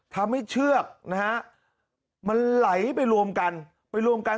เชือกนะฮะมันไหลไปรวมกันไปรวมกัน